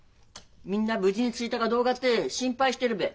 みんな無事に着いたかどうかって心配してるべ。